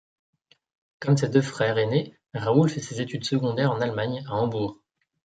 Comme ses deux frères aînés, Raoul fait ses études secondaires en Allemagne à Hambourg.